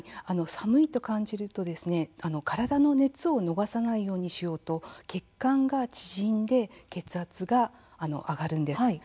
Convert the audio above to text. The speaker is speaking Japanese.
寒いと感じると体の熱を逃さないようにしようと血管が縮んで血圧が上がるんです。